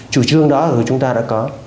chủ trương đó thì chúng ta đã có